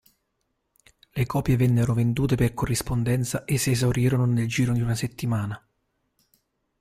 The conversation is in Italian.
Le copie vennero vendute per corrispondenza e si esaurirono nel giro di una settimana.